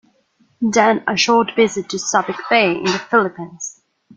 Then a short visit to Subic Bay in the Philippines.